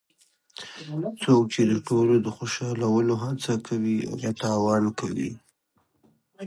څوک چې د ټولو د خوشحالولو هڅه کوي هغه تاوان کوي.